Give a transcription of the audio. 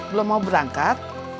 belum mau berangkat